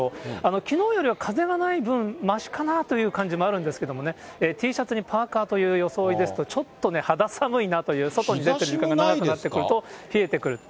きのうよりは風がない分、ましかなという感じもあるんですけれども、Ｔシャツにパーカーという装いですと、ちょっと肌寒いなという、外に出る時間が長くなってくると冷えてくる。